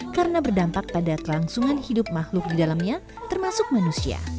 karena berdampak pada kelangsungan hidup makhluk di dalamnya termasuk manusia